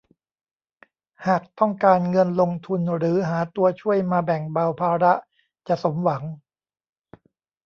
หากต้องการเงินลงทุนหรือหาตัวช่วยมาแบ่งเบาภาระจะสมหวัง